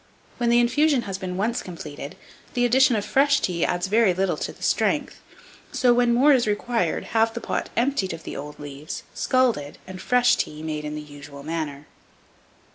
When the infusion has been once completed, the addition of fresh tea adds very little to the strength; so, when more is required, have the pot emptied of the old leaves, scalded, and fresh tea made in the usual manner.